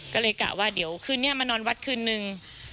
ก็เลยกะว่าเดี๋ยวคืนนี้มานอนวัดคืนนึง